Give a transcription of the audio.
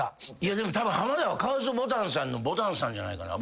でもたぶん浜田はカウス・ボタンさんのボタンさんじゃないかな。